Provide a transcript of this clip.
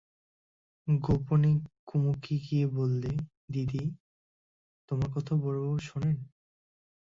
গোপনে কুমুকে গিয়ে বললে, দিদি, তোমার কথা বড়োবাবু শোনেন।